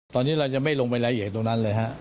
ตอนนี้เราจะไม่ลงไปรายเหตุตรงนั้นเลย